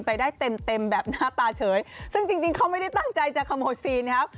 ไปได้เต็มเต็มแบบหน้าตาเฉยซึ่งจริงจริงเขาไม่ได้ตั้งใจจะขโมยซีนนะครับ